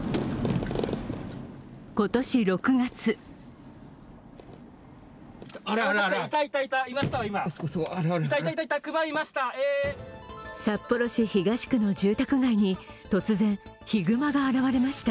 今年６月札幌市東区の住宅街に突然、ヒグマが現れました。